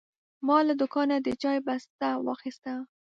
ما له دوکانه د چای بسته واخیسته.